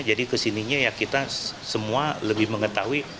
kesininya ya kita semua lebih mengetahui